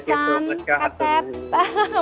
thank you so much kak hatur